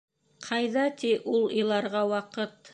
Ҡайҙа ти ул иларға ваҡыт?!